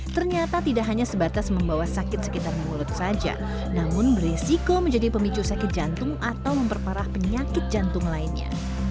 ternyata tidak hanya sebatas membawa sakit sekitar mulut saja namun beresiko menjadi pemicu sakit jantung atau memperparah penyakit jantung lainnya